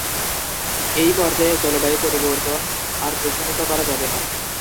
এই পর্যায়ে জলবায়ু পরিবর্তন আর প্রশমিত করা যাবে না।